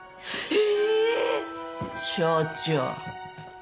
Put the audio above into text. え？